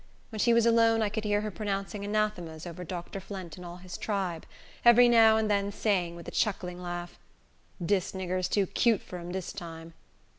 When she was alone, I could hear her pronouncing anathemas over Dr. Flint and all his tribe, every now and then saying, with a chuckling laugh, "Dis nigger's too cute for 'em dis time."